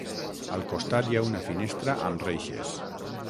Al costat hi ha una finestra amb reixes.